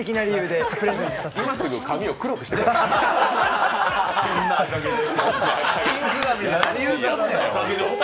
今すぐ髪を黒くしてください。